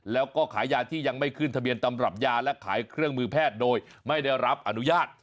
แล้วก็ขายยาที่ยังไม่ขึ้นทะเบียนตำรับยาและขายเครื่องมือแพทย์โดยไม่ได้รับอนุญาต